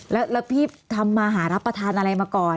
แล้วพี่ทำมาหารับประทานอะไรมาก่อน